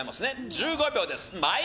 １５秒です。